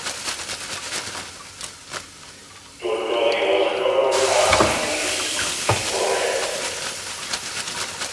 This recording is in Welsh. Dododd ei wasgod o tan ei grys un bore.